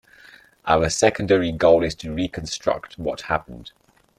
Our secondary goal is to reconstruct what happened.